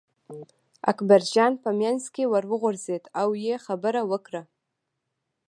اکبرجان په منځ کې ور وغورځېد او یې خبره وکړه.